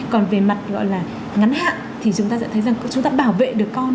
còn về mặt gọi là ngắn hạn thì chúng ta sẽ thấy rằng chúng ta bảo vệ được con